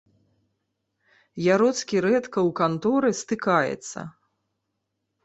Яроцкі рэдка ў канторы стыкаецца.